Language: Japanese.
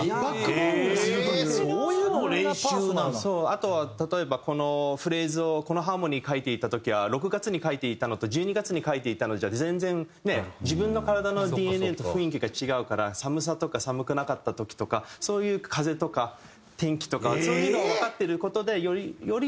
あとは例えばこのフレーズをこのハーモニー書いていた時は６月に書いていたのと１２月に書いていたのじゃ全然ねえ自分の体のＤＮＡと雰囲気が違うから寒さとか寒くなかった時とかそういう風とか天気とかそういうのをわかってる事でよりより